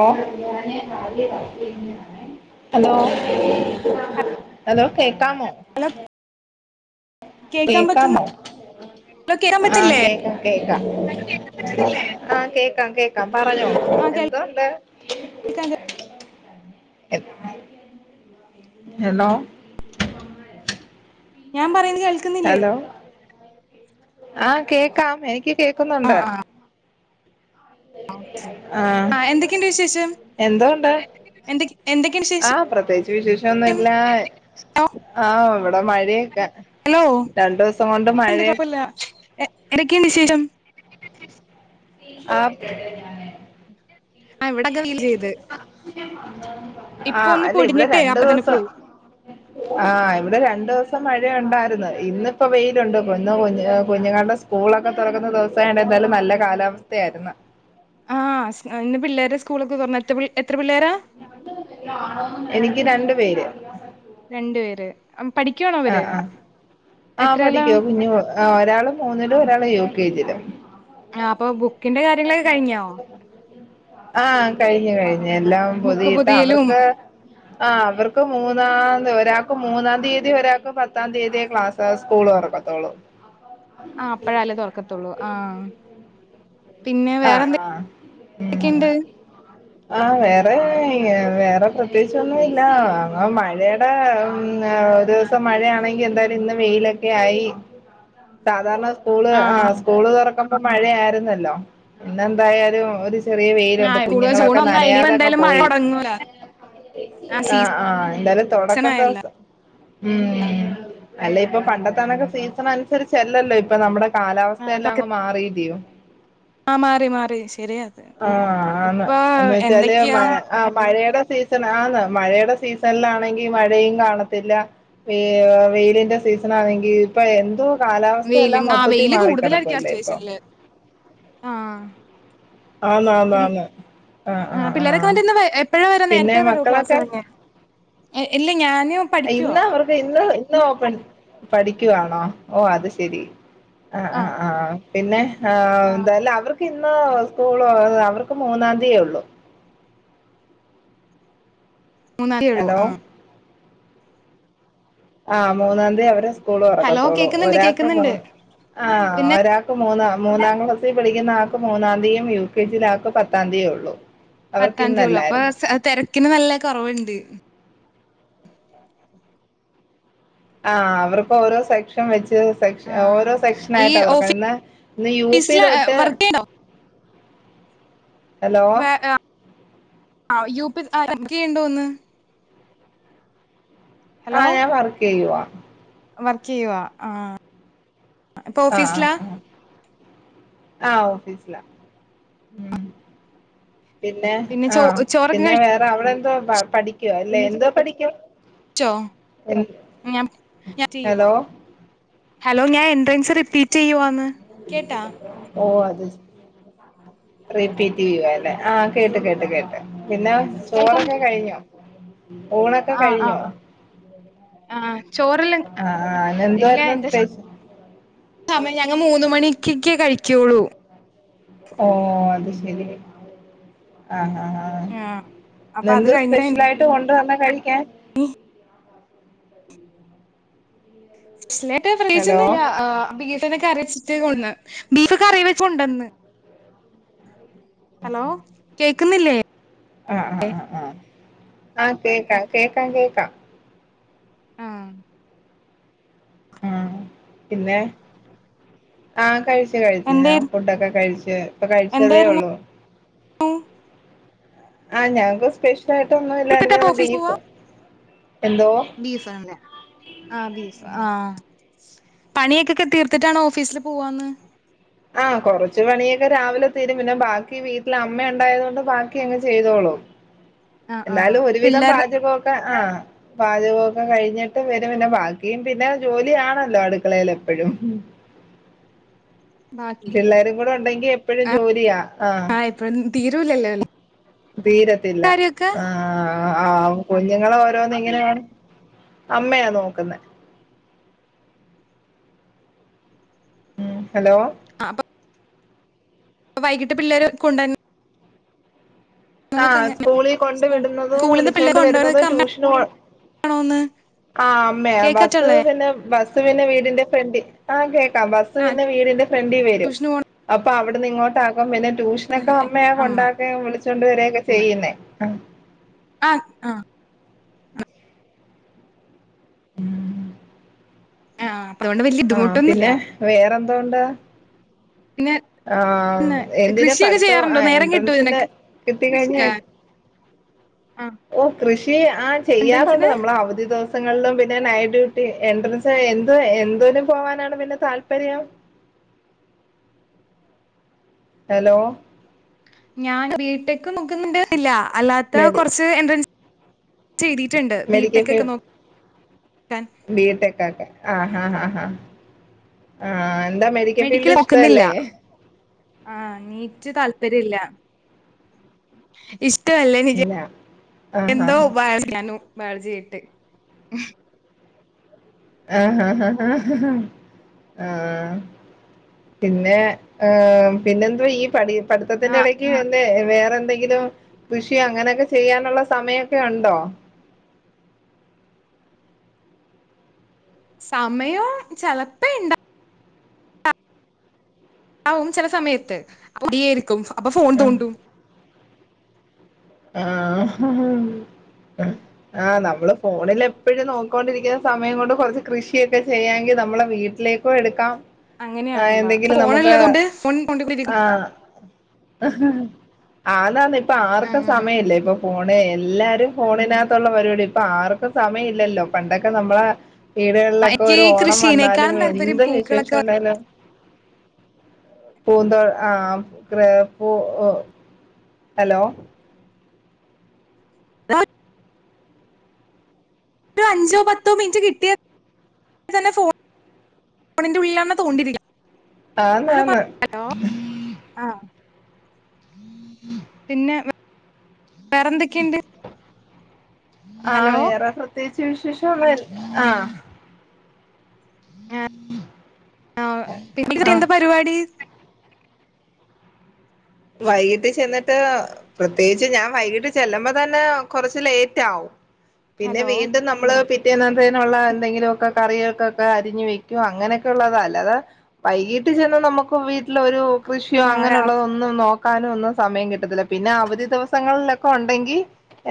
ആ hello hello കേക്കാമോ hello കേക്കാൻ പറ്റുന്ന കേക്കാമോ ഹലോ കേക്കാൻ ആ പറ്റില്ലേ കേക്കാം കേക്കാം ആ കേക്കാം കേക്കാം പറഞ്ഞോ ആഹ് എന്തോണ്ട് കേൾക്കാം കേൾക്കാം. ഹലോ ഞാൻ പറയ കേൾക്ക്ന്നില്ലേ ആ കേക്കാം എനിക്ക് കേക്ക്ന്നുണ്ട് ആഹ് ആഹ് ഓക്കെ. ആ ആഹ് എന്തൊക്കെയുണ്ട് വിശേഷം എന്തോണ്ട് എന്തൊ എന്തൊക്കെയുണ്ട് ആ വിശേഷം പ്രത്യേകിച്ച് വിശേഷോന്നുംല്ല ആ ഇവിടെ മഴയൊക്കെ ഹലോ രണ്ട് ദിവസം കൊണ്ട് മഴയ എടൊക്കെ വിശേഷം ആ ആഹ് ഇവിടൊക്കെ വെയിൽ ചെയ്ത് ആ ഇപ്പൊ ഒന്ന് അല്ല ഇവിടെ പൊടിഞ്ഞിട്ടേ രണ്ട് അപ്പ തന്നെ ദിവസം പോയി ആ ഇവിടെ രണ്ടു ദിവസം ക്കെ മഴയുണ്ടായിരുന്നു. ഇന്നിപ്പൊ വെയിലുണ്ട്. ഇന്ന് കുഞ്ഞു കുഞ്ഞുങ്ങളുടെ സ്കൂളൊക്കെ തുറക്കുന്ന ദിവസമായൊണ്ട് എന്തായാലും നല്ല കാലാവസ്ഥയായിരുന്നു. ആ ഇന്ന് പിള്ളേരെ സ്കൂളൊക്കെ തുറന്നു എത്ര പിള്ളേരാ? എനിക്ക് രണ്ട് പേര് രണ്ട് പേര് പഠിക്കുവാണോ ആ അവര് ആ ആ എത്രേലാ പഠിക്കുവാ, കുഞ്ഞു ഒരാള് മൂന്നിലും ഒരാൾ യു കെ ജിയിലും. ആഹ് അപ്പൊ ബുക്കിന്റെ കാര്യങ്ങളൊക്കെ [unintelligible] കഴിഞ്ഞോ ആ കഴിഞ്ഞു കഴിഞ്ഞു എല്ലാം ബുക്ക് പൊതിട്ട് പൊതിയലും അവർക്ക് ആ അവർക്ക് മൂന്നാംതി ഒരാൾക്ക് മൂന്നാം തീയതി ഒരാൾക്ക് പത്താം തീയതി സ്കൂൾ തുറക്കത്തോളൂ. ആ അപ്പഴല്ലേ തുറക്കത്തോളൂ ആ പിന്നെ ആഹ് ആഹ് വേറെന്തൊക്കെയുണ്ട് ഉം ആഹ് വേറെ വേറെ പ്രത്യേകിച്ചൊന്നുല്ല അങ്ങ് മഴയുടെ ഒരൂസം മഴയാണെങ്കി എന്തായാലും ഇന്ന് വെയിലൊക്കെയായി സാധാരണ സ്കൂള് ആ ആഹ് സ്കൂള് തുറക്കും ഇപ്പ മഴയായിരുന്നല്ലോ പിന്നെന്തായാലും ഒരീസ് ചെറിയ വെയിലുണ്ട് ആഹ് കൂടുതൽ ജൂൺ കുഞ്ഞുങ്ങളക്ക് ഒന്നായി ഇനിയിപ്പോ നനയാതങ്ങു എന്തായാലും മഴ പോയി തുടങ്ങൂല ആ ആഹ് സീസൺ ആഹ് എന്തായാലും തൊടക്കം ആയല്ല ദിവസം ഉം അല്ലയിപ്പൊ പണ്ടത്തണക്ക് സീസൺ അനുസരിച്ചല്ലല്ലോ ഇപ്പൊ നമ്മുടെ കാലാവസ്ഥ എല്ലാം ആഹ് അങ്ങ് മാറിയില്ലയോ ആ മാറി മാറി ശരിയാ ആഹ് ആന്ന് എന്നുവെച്ചാല് മ മഴയുടെ സീസൺ ആന്ന് മഴയുടെ സീസണിലാണെങ്കിൽ മഴയും കാണത്തില്ല വെ വെയിലിന്റെ സീസണാണെങ്കിൽ ഇപ്പൊ എന്തോ വെയിലും കാലാവസ്ഥയെല്ലാം ആ മൊത്തത്തിൽ വെയില് കൂടുതലായിരിക്കും ആ മാറിക്കിടക്കുവല്ലേ ഇപ്പൊ സ്റ്റേഷനിൽ ആഹ് ആന്ന് ആന്ന് പിള് ആന്ന് ആഹ് പിള്ളേരെക്ക എപ്പോഴാ വരാ പിന്നെ നേരത്തെേ വരുവോ ക്ലാസ് മക്കളൊക്കെ കഴിഞ്ഞു എ എല്ലി ഇന്ന് അവർക്ക് ഇന്ന് ഇന്ന് ഓപ്പൺ പഠിക്കുവാ. ആ ഓ അത് ശരി. ആഹ് ആഹ് ആഹ് പിന്നെ ആ എന്തായാലും അവർക്ക് ഇന്ന് സ്കൂള് അവർക്ക് മൂന്നാംതീയെ ഉള്ളൂ. മൂന്നാംതീയേ ഉള്ളൂ ഹലോ ആഹ് ആ മൂന്നാംതി അവര് സ് സ്കൂൾ ഹലോ തുറക്കത്തോള്ളൂ കേക്കുന്നുണ്ട് ഒരാക്ക് മൂ കേക്കുന്നുണ്ട് ആ പിന്നെ ഒരാക്ക് മൂന്ന് മൂന്നാം ക്ലാസ്സിൽ പഠിക്കുന്ന ആക്ക് മൂന്നാം തീയതിയും യു കെ ജിൽ ആക്ക് പത്താം തീതിയേ ഉള്ളൂ അവർക്ക് പത്താം തീയതി ഉള്ളൂ അപ്പോ ഇന്നല്ലായിരുന്നു സ് തിര തിരക്കിന് നല്ല കുറവുണ്ട് ആ അവരിപ്പോ ഓരോ സെക്ഷൻ വെച്ച് സെക്ഷ ആഹ് ഓരോ ഈ സെക്ഷനായിട്ടാ തുറക്കുന്നത് ഇന്ന് യു പി ഓഫീസില് തൊട്ട് വർക്ക് ചെയ്യണ്ടോ ഹലോ ആ യു പി ആരൊക്കെയുണ്ടെന്ന് ആഹ് ഞാൻ വർക്ക് ചെയ്യുവാ വർക്ക് ചെയ്യുവാ ആഹ് ഇപ്പൊ ഓഫീസിലാ ആ ഓഫീസിലാ പിന്നെ ആ ചോ ചോറൊക്കെ പിന്നെ വേറെ അവിടെ പഠിക്കുവ അല്ലെ എന്തോ പഠിക്കു ഹലോ ഹലോ ഞാൻ എൻട്രൻസ് റിപ്പീ ചെയ്യുവാന്ന്. കേട്ടാ ഓ റിപ്പീറ്റ് ചെയ്യുവാല്ലേ ആ കേട്ട് കേട്ട് കേട്ട്. പിന്നെ കേൾക്കാം ചോറൊക്കെ കഴിഞോ ഊണൊക്കെ ആ ആ കഴിഞ്ഞോ? ആ ആ ചോറെല്ലാം ആ ആ ഇല്ല ഇന്നെന്തുവായിരുന്നു എന്റെ സ്പെഷ്യ സമയം ഞങ്ങൾ മൂന്നു മണിക്കെക്ക കഴി ച്വുള്ളു. ഓ അത് ശ [unintelligible] ആ ആ ഹാ ആ അപ്പൊ അത് ഇന്നെന്തോ കഴിഞ്ഞിട്ട് സ്പെഷ്യലായിട്ട് ഉ ഇന്നെന്താ കഴിക്കാൻ സ്പെഷലായിട്ട് ഹലോ പ്രത്യേകിച്ചൊന്നുല്ല ബീഫ്നെ കറിവെച്ച് [unintelligible] ബീഫ് കറി വെച്ചുണ്ടെന്ന് ഹലോ കേക്കുന്നില്ലേ ആ ആ ആ ആ ആ കേക്കാം കേക്കാം കേക്കാം ആ ആ പിന്നെ ആ കഴിച്ച് കഴിച്ച് എന്തേ ഞാൻ ഫുഡൊക്കെ കഴിച്ച് ഇപ്പൊ കഴിച്ചതേ എന്തായിരുന്നു ഒള്ളൂ ആ ഞങ്ങക്ക് സ്പെഷ്യ ലായിട്ടൊന്നുമില്ലാരുന്നു ബീഫ് എന്തോ ബീഫാം ലെ ആ ബീഫാ ആ പണിയൊക്കെക്കെ തീർത്തിട്ടാണോ ഓഫീസിൽ പോവാന്ന് ആ കൊറച്ച് പണിയൊക്കെ രാവിലെ തീരും പിന്നെ ബാക്കി വീട്ടിൽ അമ്മ ഇണ്ടായത് കൊണ്ട് ബാക്കി അങ്ങ് ചെയ്തോളും ആ ആ എന്നാലും ഒരുവിധം പിള്ളേർ പാചകോ ഒക്കെ ആ പാചക ഒക്കെ കഴിഞ്ഞിട്ട് ഇവര് പിന്നെ ബാക്കിയും പിന്നെ ജോലിയാണല്ലോ അടുക്കളെൽ എപ്പഴും ബാക്കി പിള്ളെരും കൂടെ ഉണ്ടെങ്കി എപ്പഴും ആ ജോലിയാ ആ തീരൂലല്ലോ ലെ തീരത്തില്ല ങാ ആ ആ കുഞ്ഞുങ്ങള ഓരോന്നിങ്ങനെയാണ് അമ്മയാ നോക്കുന്നെ ഉം ഹലോ ആ അപ്പൊ വൈകിട്ട് പിള്ളേര് കൊണ്ട്വന്നെ ങാ സ്കൂളീ കൊണ്ട് സ്കൂ വിടുന്നതും സ്കൂളിന്ന് വിളിച്ചോണ്ട് പിള്ളേര് വരുന്നതും കൊണ്ടുവരുന്നതൊക്കെ ട്യൂഷന് പോ അമ്മയാണോന്ന് ആ അമ്മയാ ബസ് കേക്കാറ്റുള്ളേ പിന്നെ ബസ് പിന്നെ വീടിന്റെ ഫ്രണ്ടി ങാ കേക്കാം ബസ്സ് ആ പിന്നെ വീടിന്റെ ഫ്രണ്ടീ വരും ട്യൂഷന് പോണ അപ്പ അവിടുന്ന് ഇങ്ങോട്ടാകും പിന്നെ ട്യൂഷനൊക്കെ അമ്മയാ അമ്മ കൊണ്ടാക്ക്വേം വിളിച്ചിട്ട് ണ്ടു വരെയൊക്കെ ചെയ്യുന്നേ ങാ ങാ ങാ ങാ പിന്നെ വേറെന്ത് എന്തോണ്ട് പിന്നെ ങാ എന്തിനാ കൃഷിയൊക്കെ പടിത്തം ങാ ചെയ്യാറുണ്ടോ നേരം കിട്ടോ എൻട്രൻസിൻറ ഇതിനൊക്കെ കിട്ടി കഴിഞ്ഞാ ആ ഓ കൃഷ് കീരാ ങാ ചെയ്യാറൊണ്ട് എൻട്രൻസിന് നമ്മള അവധി ദിവസം ങ്ങളിലും പിന്നെ നൈറ്റ് ഡ്യൂട്ടി എൻട്രൻസ് എന്തോ എന്തോന് പോവാനാണ് പിന്നെ താല്പര്യം ഹലോ ഞാൻ വീട്ട്ക്ക് നുക്കുന്നുണ്ട് ഇലാ അല്ലാത്ത മെഡി കൊറച്ച് എൻട്രൻസ് ചെയ്തിട്ടുണ്ട് ബിടെക് ഒക്കെ നോ ബീട്ടെക്കാട്ടെ ആഹഹാ ആാ ഹാ ആഹ എന്ത അമേരിക്കൻ ഫീൽഡ് ഇഷ്ട അല്ലേ ആഹ നീറ്റ് താല്പര്യ ഇല്ല ഇഷ് ഇഷ്ടല്ലേ നിജ ഇല്ല ആഹ് എന്തോ ആഹ് ഉപായിക്കാനു ബാൾജിട്ട് ആഹ് ഹ ആഹ പിന്നെ ഏ പിന്നെ എന്തോ ഈ പടി ആഹ് പഠിത്തത്തിന്റെടക്ക് വന്നേ വേറെ എന്തെങ്കിലും കൃഷിയോ അങ്ങനെയൊക്കെ ചെയ്യാനുള്ള സമയൊക്കെ ഉണ്ടോ സമയോ ചിലപ്പോ ഇണ്ടാ അ ഉം ചില സമയത്ത് പുതിയേരിക്കും അപ്പൊ ഫോൺ തോണ്ടും ആ ആഹ് ഹ് നമ്മള് ഫോണിൽ എപ്പോഴും നോക്കോണ്ടിരിക്കുന്ന സമയം കൊണ്ട് കുറച്ച് കൃഷിയൊക്കെ ചെയ്യാമെങ്കിൽ നമ്മളെ വീട്ടിലേക്കും എടുക്കാം ആഹ് അങ്ങനെയാണല്ലൊ എന്തെങ്കിലും ഫോൺ നമുക്ക് ഉള്ളതോണ്ട് ഫോണ് തോണ്ടിരിക്കും ഹ് ഹ് ഹ്ആന്നാന്ന് ഇപ്പൊ ആ പ്പോ ആഹ് സമയല്ലേ ഇപ്പൊ ഫോണ് എല്ലാരും ഫോണിനകത്തുള്ള പരിപാടി ഇപ്പൊ ആർക്കും സമയം ഇല്ലല്ലോ പണ്ടൊക്കെ നമ്മളെ വീടുകളിലൊക്കെ എനിക്ക് ഒരു ഈ ഓണം വന്നാലും കൃഷീനേക്കാളും താല്പര്യം എന്ത് പൂക്കളൊക്കെ വിശേഷം വെക്കാൻ. ഉണ്ടായാലും പൂന്തോ ആഹ് സ്ക്രെ പ്പൂ ഒ ഹലോ ഒരു അഞ്ചോ പത്തോ മിനിറ്റ് കിട്ടിയ [unintelligible] തന്നെ ഫോൺ [unintelligible] ഫോണിന്റെ [unintelligible] ഉള്ളിലാണ് തോണ്ടിരിക്ക ആന്ന് ആന്ന് ആഹ് പിന്നെ [inaudible] വേ വേറെന്തൊക്കെണ്ട് ആഹ് വേറെ പ്രതേകിച് വിശേഷം ള്ള ആഹ് അ ആഹ് [inaudible] പി ആ എന്താ പരിപാടി വൈകിട്ട് ചെന്നിട്ട് പ്രത്യേകിച്ച് ഞാൻ വൈകിട്ട് ചെല്ലുമ്പോ തന്നെ കൊറച്ച് ലേറ്റ് ആകും പിന്നെ ഹലോ വീണ്ടും നമ്മള് പിറ്റേനന്ദേനുള്ള എന്തെങ്കിലൊക്കെ കറികൾക്കൊക്കെ അരിഞ്ഞു വെക്കും അങ്ങനൊക്കെ ഉള്ളത അല്ലാതെ വൈകീട്ട് ചെന്ന് നമുക്ക് വീട്ടിലൊരു കൃഷിയോ ആഹ് അങ്ങനുള്ളതോ നോക്കാനും ഒന്നും സമയം കിട്ടത്തില്ല പിന്നെ അവധി ദിവസങ്ങളിലൊക്കെ ഉണ്ടെങ്കി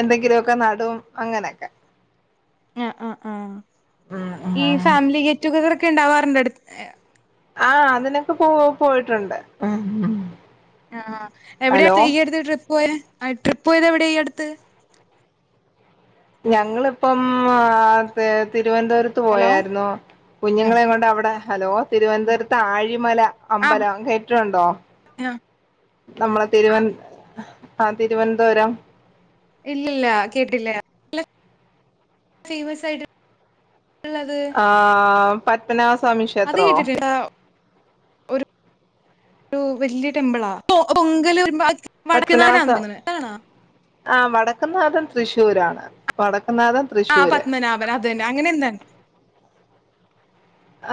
എന്തെങ്കിലുമൊക്കെ നടും അങ്ങനൊക്കെ അ ആഹ് ആഹ് ഉം ഈ ഫാമിലി ഗെറ്റുഗദർ ക്കെ ഉണ്ടാവാറുണ്ടോ ടുത്ത് ആഹ് അതിനൊക്കെ പോ പോയിട്ടുണ്ട് ആഹ് എവിടെ ഹലോ തീ അട്ത്ത് ട്രിപ്പ് പോയേ ആ ട്രിപ്പ് പോയത് എവിടെ ഈ അടുത്ത് ഞങ്ങള് പ്പം ആത്തേത് തിരുവനന്തപുരത്ത് ഹലോ പോയായിരുന്നു. കുഞ്ഞുങ്ങളെ കൊണ്ട് അവിടെ ഹലോ തിരുവനന്തപുരത്ത് ആഴി ബരിമല ആഹ് അമ്പലം കെട്ടിട്ടുണ്ടോ ആഹ് നമ്മളെ തിരുവ [unintelligible] ആ തിരുവനന്തപുരം ഇല്ല്യല്ല കേട്ടില്ല [inaudible] ല [inaudible] ആ പത്തന സ്വാമി അത് ക്ഷേത്രോ, കേട്ടിട്ടില്ല ഒരു വലിയ ടെമ്പിളാ [unintelligible] വടക്ക നാല പത്മനാഭ സ്വാ [unintelligible] ആണാ ആ വടക്കനാഥൻ തൃശ്ശൂരാണ് വട ആഹ പത്മനാഭൻ അത് തന്നെ, അങ്ങനെ എന്താ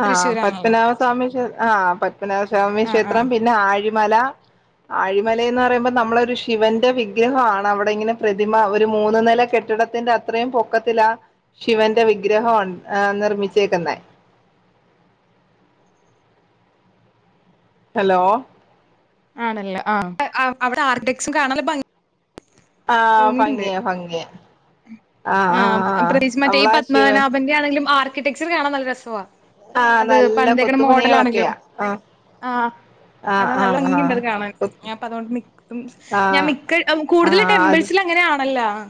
ആഹ പത്മനാഭസ്വാമി ക്ഷേ ആഹ പത്മനാഭസ്വാമി ആഹ് ക്ഷേത്രം ആഹ് പിന്നെ ആഴ മല ആഴിമലന്ന് പറയുമ്പോ നമ്മളൊ ഒരു ശിവന്റെ വിഗ്രഹം ആണ് അവിടെ ഇങ്ങനെ പ്രതിമ ഒരു മൂന്നു നില കെട്ടിടത്തിന്റെ അത്രയും പൊക്കത്തില ആ ശിവന്റെ വിഗ്രഹം നിർമ്മിച്ചേക്കുന്ന ഹലോ ആണല്ലേ ആ അവിടെ ആർക്കിടെക്സും കാണ ആഹ ഭംഗിയ ഭംഗിയ ആ പ്രതീകിച്ച് മറ്റേ ഈ ശിവൻ പത്മനാഭന്റെ ആണെങ്കിലും ആർക്കിടെക്ട് കാണാൻ നല്ല രസവാ ആഹ് അത് നല്ല പണതേക്കട് മോഡലാണല്ലോ, കൊത്തുപണികളൊക്കെയാ ആഹ് ആ ആഹ് അതാ നല്ല ആഹ് ആഹ് ഭൻഗിണ്ടത് കാണാൻ, ഞപ്പ അതൊണ്ട് മും ഞാൻ ആഹ് മിക്ക കൂടുതൽ ആഹ് അത് ടെമ്പിൾസിൽ അങ്ങനെ ആണല്ലോ ആ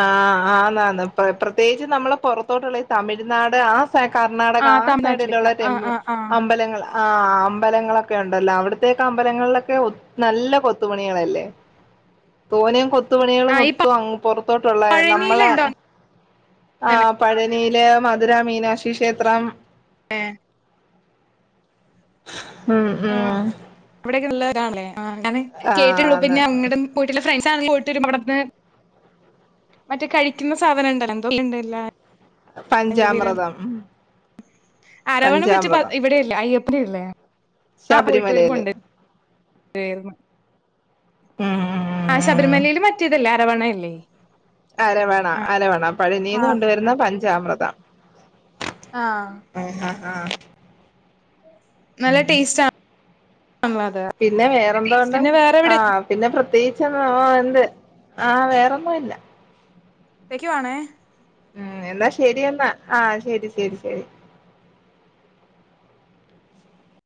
ആഹ ആന്നന്ന് പ്രത്യേകിച്ച് നമ്മള് പുറത്തോട്ടുള്ള തമിഴ്നാട് ആ കർണ്ണാടക ആ തമിഴ്നാട്ടിലേക്ക് സൈഡിലുള്ള ടെ ആ ആ ആ അമ്പലങ്ങള ആ അമ്പലങ്ങളൊക്കെ ഉണ്ടല്ലോ അവിടത്തേക്ക മ്പലങ്ങളിലൊക്കെ നല്ല കൊത്തുപണികളല്ലേ തോനും കൊ പത്ത് മണികളൾ ആ ഈ മൊത്തം അ പുറത്തോട്ടുള്ള നമ്മളെ, പഴനിയിലുണ്ടോ ആ അങ്ങനെ പഴനിയിലെ മധുര മീനാക്ഷി ക്ഷേത്രം ഏ ഉം ഉം താമ് ലെ ആ് അങ്ങ കേട്ടുള്ളൂ ആന്ന് പിന്നെ അങ്ങടടെ പോയിട്ടുള്ള ഫ്രണ്ട് [unintelligible] മറ്റെ കഴിക്കുന്ന സാധനണ്ടല്ലോ എന്തോക്കെണ്ടല്ലാ പഞ്ചാമൃതം അരവണം പറ്റി പാ പഞ്ചാമൃതം ഇവിടെയില്ല [unintelligible] ഇല്ലേ ആ പോയിട്ട് വരുമ്പോ ശബരിമലയില് [unintelligible] മ്മ് മം ആ ശബരിമലയില് മറ്റേതല്ലേ അരവണയല്ലേ അരവണ അരവണ ആ പഴനീന്ന് കൊണ്ടുവരുന്ന പ ഞ്ചാമൃതം ആ ആഹ് ആഹ് ആഹ് നല്ല ടേസ്റ്റാ പിന്നെ വേറെന്തോണ്ട് പിന്നെ വേറെ ആഹ് എവിടേക്ക് പിന്നെ പ്രത്യേകിച്ചേന്നോ ഓ എന്ത് ആഹ് വേറൊന്നും ഇല്ല വെക്കുവാണേ ഉം എന്നാ ശരി എന്നാ ആ ശരി ശരി ശരി